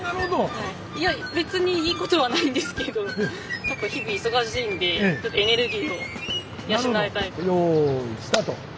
いや別にいいことはないんですけど何か日々忙しいんでエネルギーを養いたいと。